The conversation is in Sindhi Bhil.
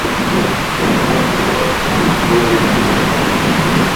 اسڪول اسآݩ ري ڳوٺ کآݩ ٻآ ڪلو ميٚٽر پري هُݩديٚ۔